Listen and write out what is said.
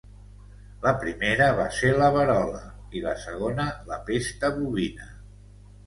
La primera va ser la verola, i la segona la pesta bovina.